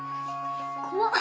怖っ！